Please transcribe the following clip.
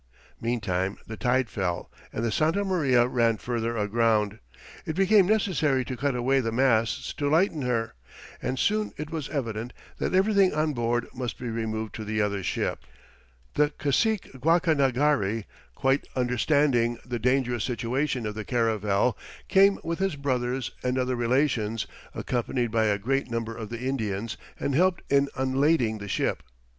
Meantime the tide fell, and the Santa Maria ran further aground; it became necessary to cut away the masts to lighten her, and soon it was evident that everything on board must be removed to the other ship. The cacique Guacanagari, quite understanding the dangerous situation of the caravel, came with his brothers and other relations, accompanied by a great number of the Indians, and helped in unlading the ship.